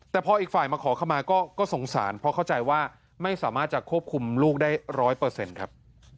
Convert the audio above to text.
แต่พออีกฝ่ายมาขอเข้ามาก็สงสารเพราะเข้าใจว่าไม่สามารถจะควบคุมลูกได้๑๐๐ครับ